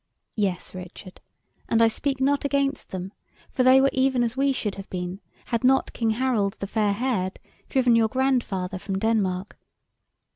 "Yes, Richard, and I speak not against them, for they were even as we should have been, had not King Harold the fair haired driven your grandfather from Denmark.